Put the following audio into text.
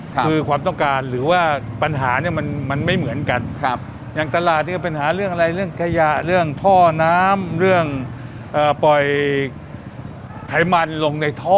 คือความต้องการหรือว่าปัญหาเนี่ยมันไม่เหมือนกันอย่างตลาดเนี่ยปัญหาเรื่องอะไรเรื่องขยะเรื่องท่อน้ำเรื่องปล่อยไขมันลงในท่อ